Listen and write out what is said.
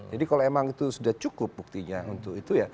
jadi kalau memang itu sudah cukup buktinya untuk itu ya